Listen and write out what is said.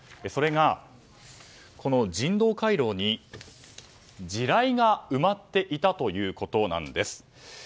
それが、人道回廊に地雷が埋まっていたということなんです。